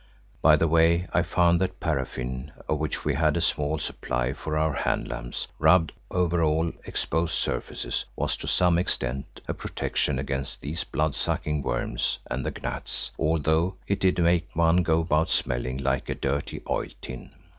By the way, I found that paraffin, of which we had a small supply for our hand lamps, rubbed over all exposed surfaces, was to some extent a protection against these blood sucking worms and the gnats, although it did make one go about smelling like a dirty oil tin.